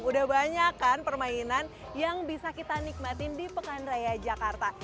udah banyak kan permainan yang bisa kita nikmatin di pekan raya jakarta